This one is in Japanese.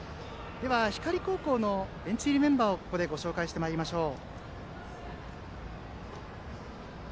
光高校のベンチ入りメンバーをご紹介してまいりましょう。